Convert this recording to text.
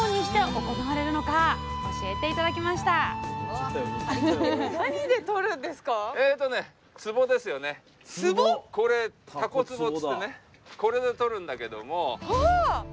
これでとるんだけども。